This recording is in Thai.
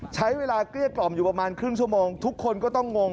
เกลี้ยกล่อมอยู่ประมาณครึ่งชั่วโมงทุกคนก็ต้องงง